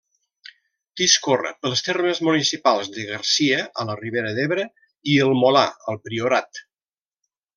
Discorre pels termes municipals de Garcia, a la Ribera d'Ebre, i el Molar, al Priorat.